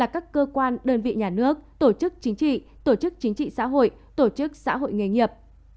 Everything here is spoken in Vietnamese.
các cơ quan đơn vị nhà nước tổ chức chính trị tổ chức chính trị xã hội tổ chức xã hội nghề nghiệp